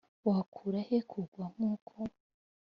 wakura he kugwa nk'uko?